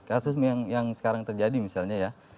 kasus yang sekarang terjadi misalnya ya